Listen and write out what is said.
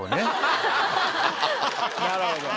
なるほど。